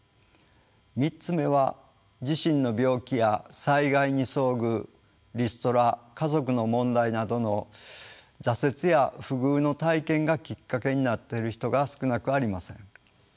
３つ目は自身の病気や災害に遭遇リストラ家族の問題などの挫折や不遇の体験がきっかけになっている人が少なくありません。